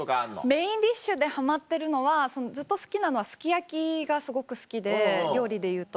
メインディッシュでハマってるのはずっと好きなのはすき焼きがすごく好きで料理でいうと。